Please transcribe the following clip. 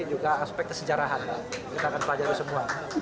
ini juga aspek kesejarahan kita akan pelajari semua